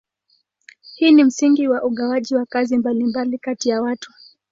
Hii ni msingi wa ugawaji wa kazi mbalimbali kati ya watu.